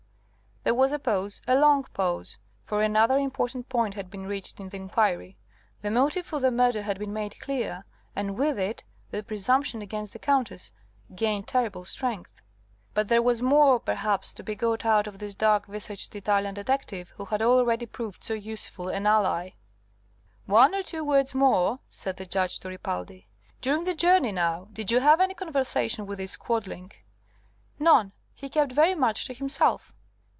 There was a pause, a long pause, for another important point had been reached in the inquiry: the motive for the murder had been made clear, and with it the presumption against the Countess gained terrible strength. But there was more, perhaps, to be got out of this dark visaged Italian detective, who had already proved so useful an ally. "One or two words more," said the Judge to Ripaldi. "During the journey, now, did you have any conversation with this Quadling?" "None. He kept very much to himself."